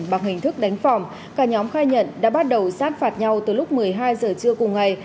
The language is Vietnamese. bằng hình thức đánh phòng cả nhóm khai nhận đã bắt đầu sát phạt nhau từ lúc một mươi hai giờ trưa cùng ngày